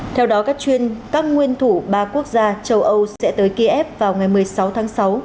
theo đó các nguyên thủ ba quốc gia châu âu sẽ tới kiev vào ngày một mươi sáu tháng sáu